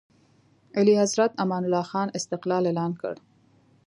اعلیحضرت امان الله خان استقلال اعلان کړ.